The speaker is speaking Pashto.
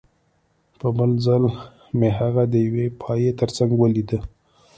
په بل ځل مې هغه د یوې پایې ترڅنګ ولیده